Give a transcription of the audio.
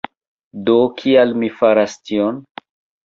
Do kial mi faras tion?